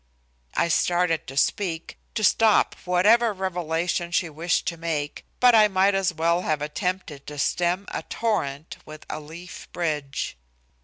'" I started to speak, to stop whatever revelation she wished to make, but I might as well have attempted to stem a torrent with a leaf bridge.